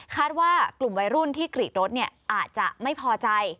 ว่ากลุ่มวัยรุ่นที่กรีดรถอาจจะไม่พอใจ